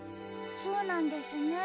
そうなんですね。